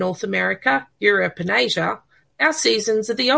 untuk mereka yang berasal dari hemisfer utara dari amerika tenggara eropa dan asia